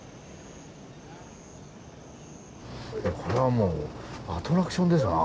これはもうアトラクションですな。